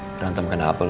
berantem kena apa lu